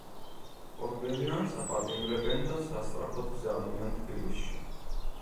ორბელიანს აპატიმრებენ და სასწრაფოდ გზავნიან თბილისში.